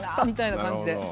みたいな感じで。